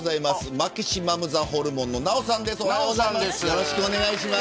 マキシマムザホルモンのナヲさんです